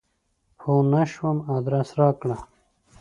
پوه نه شوم ادرس راکړه !